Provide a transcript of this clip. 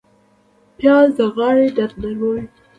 پیاز د غاړې درد نرموي